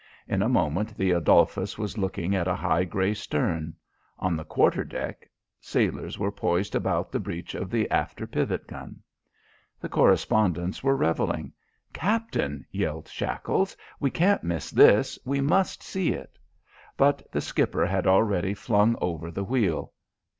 In a moment the Adolphus was looking at a high grey stern. On the quarter deck, sailors were poised about the breach of the after pivot gun. The correspondents were revelling. "Captain," yelled Shackles, "we can't miss this! We must see it!" But the skipper had already flung over the wheel.